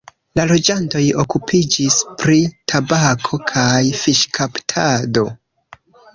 La loĝantoj okupiĝis pri tabako kaj fiŝkaptado.